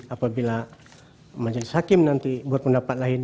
apabila majelis hakim nanti buat pendapat lain